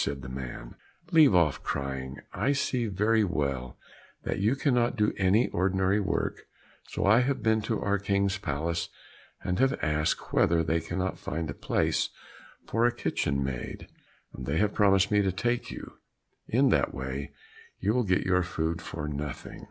said the man; "leave off crying, I see very well that you cannot do any ordinary work, so I have been to our King's palace and have asked whether they cannot find a place for a kitchen maid, and they have promised me to take you; in that way you will get your food for nothing."